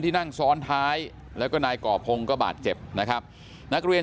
นั่งซ้อนท้ายแล้วก็นายก่อพงศ์ก็บาดเจ็บนะครับนักเรียน